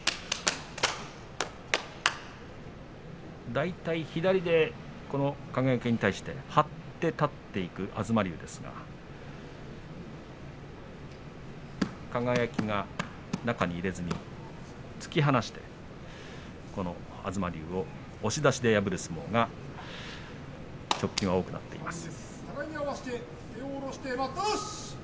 大体、左で輝に対して張って立っていく東龍ですが輝は中に入れずに突き放して東龍を押し出しで破る相撲が直近が多くなっています。